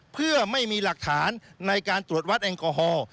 เพื่อไม่มีหลักฐานในการตรวจวัดแอลกอฮอล์